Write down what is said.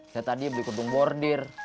saya tadi beli kedung bordir